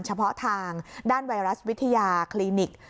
เฉพาะทางด้านไวรัสวิทยาคลินิก